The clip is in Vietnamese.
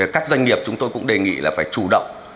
các doanh nghiệp chúng tôi cũng đề nghị là phải chủ động